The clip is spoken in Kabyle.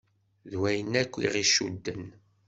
D wayen akk i ɣ-icudden.